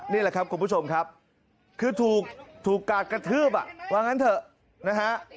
นี่แหละครับคุณผู้ชมครับคือถูกกาดกระทืบอ่ะว่างั้นเถอะนะฮะ